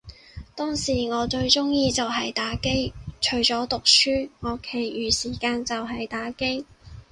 當時我最鍾意就係打機，除咗讀書，我其餘時間就係打機